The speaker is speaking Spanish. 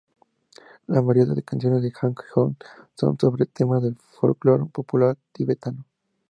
La mayoría de canciones de Han Hong son sobre temas del folclore popular tibetano.